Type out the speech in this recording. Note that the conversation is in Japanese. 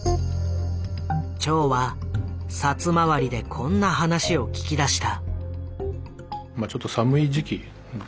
長はサツ回りでこんな話を聞き出した。